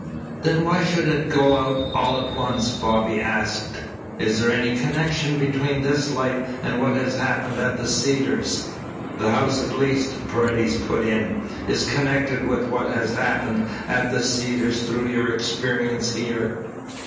"Then why should it go out all at once?" Bobby asked. "Is there any connection between this light and what has happened at the Cedars?" "The house at least," Paredes put in, "is connected with what has happened at the Cedars through your experience here."